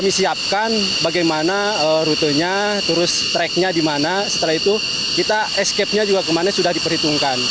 kami siapkan bagaimana rutenya terus tracknya di mana setelah itu kita escape nya juga kemana sudah diperhitungkan